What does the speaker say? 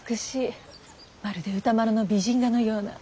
まるで歌麿の美人画のような。